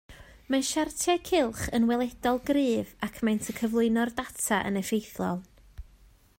Mae siartiau cylch yn weledol gryf ac maent yn cyflwyno'r data yn effeithlon